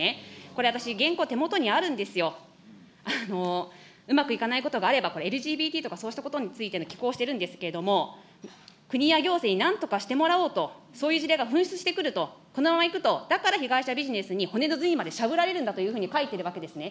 これ私、原稿、手元にあるんですよ、うまくいかないことがあれば、これ、ＬＧＢＴとかそうしたことについて寄稿してるんですけども、国や行政になんとかしてもらおうと、そういう事例が噴出してくると、このままいくと、だから被害者ビジネスに骨の髄までしゃぶられるんだというふうに書いてるわけですね。